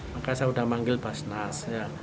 maka saya sudah manggil basnas